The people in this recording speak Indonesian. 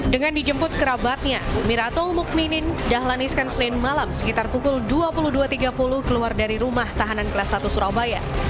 dengan dijemput kerabatnya miratul mukminin dahlan iskan senin malam sekitar pukul dua puluh dua tiga puluh keluar dari rumah tahanan kelas satu surabaya